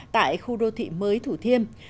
tại khu đô thị mới thủ thiêm